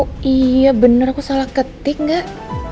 oh iya bener aku salah ketik gak